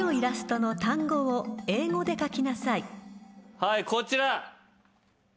はいこちら。